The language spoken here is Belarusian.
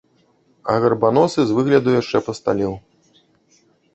І гарбаносы з выгляду яшчэ пасталеў.